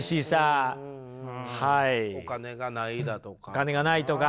お金がないとか。